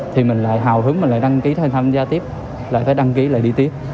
thì mình lại hào hứng mình lại đăng ký hay tham gia tiếp lại phải đăng ký lại đi tiếp